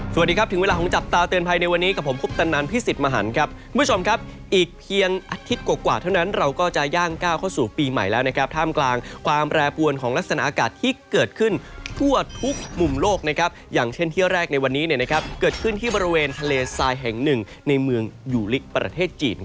สวัสดีครับถึงเวลาของจับตาเตือนภัยในวันนี้กับผมคุปตันนันพิสิทธิ์มหันครับคุณผู้ชมครับอีกเพียงอาทิตย์กว่าเท่านั้นเราก็จะย่างก้าวเข้าสู่ปีใหม่แล้วนะครับท่ามกลางความแปรปวนของลักษณะอากาศที่เกิดขึ้นทั่วทุกมุมโลกนะครับอย่างเช่นเที่ยวแรกในวันนี้เนี่ยนะครับเกิดขึ้นที่บริเวณทะเลทรายแห่งหนึ่งในเมืองยูลิกประเทศจีน